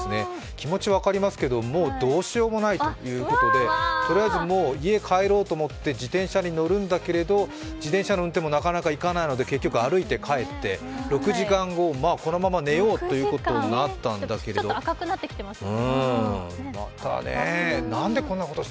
気持ち分かりますけどもうどうしようもないということでとりあえず家に帰ろうと思って自転車の運転もなかなかいかないので歩いて帰って、６時間後、このまま寝ようということになったんだけど、またね。